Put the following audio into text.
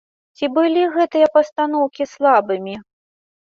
Ці былі гэтыя пастаноўкі слабымі?